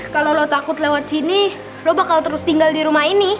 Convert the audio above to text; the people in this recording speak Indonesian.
kalau lo takut lewat sini lo bakal terus tinggal di rumah ini